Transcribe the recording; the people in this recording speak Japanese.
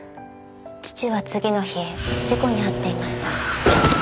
父は次の日事故に遭っていました。